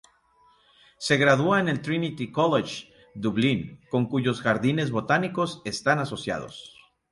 Se gradúa en el Trinity College, Dublín, con cuyos jardines botánicos están asociados.